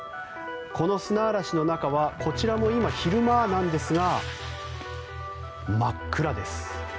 この砂嵐の中はこちらも今、昼間なんですが真っ暗です。